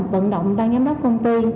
bận động ban giám đốc công ty